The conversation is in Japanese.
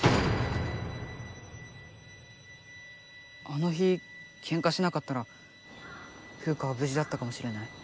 あの日けんかしなかったらフウカは無事だったかもしれない。